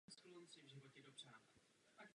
Později osídleno Araby.